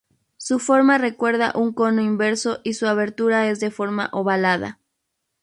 Su forma recuerda un cono inverso y su abertura es de forma ovalada.